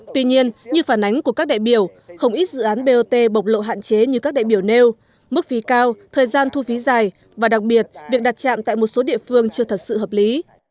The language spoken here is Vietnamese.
tuy nhiên như phản ánh của các đại biểu không ít dự án bot bộc lộ hạn chế như các đại biểu nêu mức phí cao thời gian thu phí dài và đặc biệt việc đặt trạm tại một số địa phương chưa thật sự hợp lý